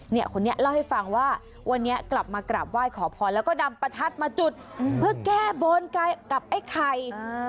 คนนี้เล่าให้ฟังว่าวันนี้กลับมากราบไหว้ขอพรแล้วก็นำประทัดมาจุดเพื่อแก้บนกับไอ้ไข่